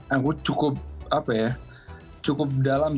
aku cukup apa ya cukup dalam